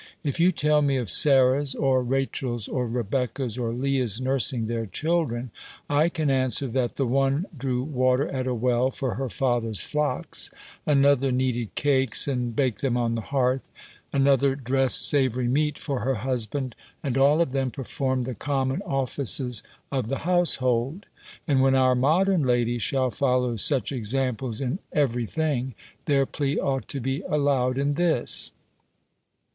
If you tell me of Sarah's, or Rachel's, or Rebecca's, or Leah's nursing their children, I can answer, that the one drew water at a well, for her father's flocks; another kneaded cakes, and baked them on the hearth; another dressed savoury meat for her husband; and all of them performed the common offices of the household: and when our modern ladies shall follow such examples in every thing, their plea ought to be allowed in this.